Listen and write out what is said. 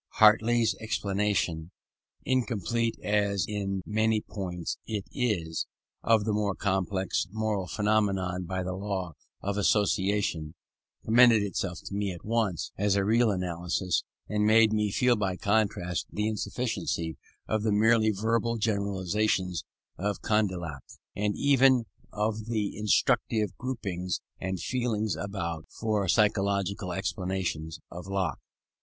Hartley's explanation, incomplete as in many points it is, of the more complex mental phenomena by the law of association, commended itself to me at once as a real analysis, and made me feel by contrast the insufficiency of the merely verbal generalizations of Condillac, and even of the instructive gropings and feelings about for psychological explanations, of Locke.